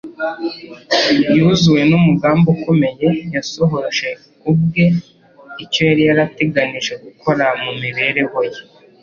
Yuzuwe n'umugambi ukomeye, Yasohoje ubwe icyo Yari yateganije gukora mu mibereho Ye